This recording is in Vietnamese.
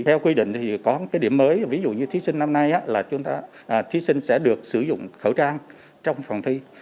theo quy định thì có một cái điểm mới ví dụ như thí sinh năm nay là thí sinh sẽ được sử dụng khẩu trang trong phòng thi